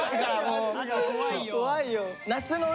圧怖いよ。